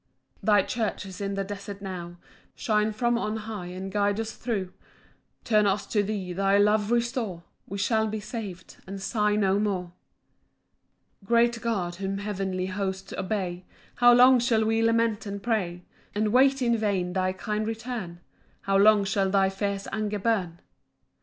2 Thy church is in the desert now, Shine from on high and guide us thro'; Turn us to thee, thy love restore, We shall be sav'd, and sigh no more. 3 Great God, whom heavenly hosts obey, How long shall we lament and pray, And wait in vain thy kind return? How long shall thy fierce anger burn?